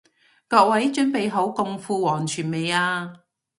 各位準備好共赴黃泉未啊？